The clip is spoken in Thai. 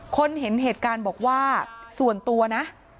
คนเห็นเหตุการณ์บอกว่าส่วนตัวนะ